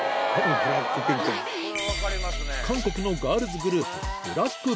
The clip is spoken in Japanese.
韓国のガールズグループ